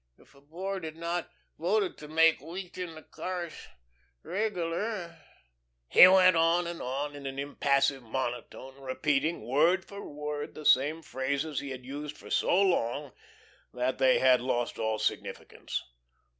If the Board had not voted to make wheat in the cars 'regular' " He went on and on, in an impassive monotone, repeating, word for word, the same phrases he had used for so long that they had lost all significance.